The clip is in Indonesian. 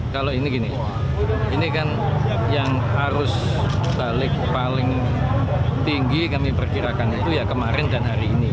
kalau ini gini ini kan yang arus balik paling tinggi kami perkirakan itu ya kemarin dan hari ini